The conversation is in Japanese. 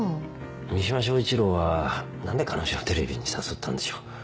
三島彰一郎は何で彼女をテレビに誘ったんでしょう？